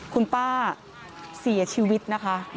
คุณป้าเสียชีวิตนะคะ